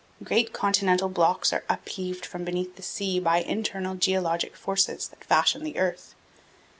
Great continental blocks are upheaved from beneath the sea by internal geologic forces that fashion the earth.